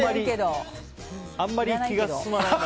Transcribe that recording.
あんまり気が進まないな。